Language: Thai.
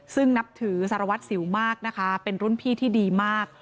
ซึ่งนับถือสารวัตรสิวมากนะคะเป็นรุ่นพี่ที่ดีมาก